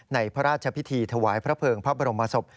ในพระราชพิธีถวายพระเภิงพระบรมศพ